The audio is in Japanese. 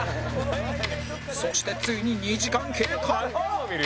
そしてついに２時間経過